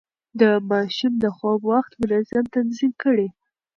د ماشوم د خوب وخت منظم تنظيم کړئ.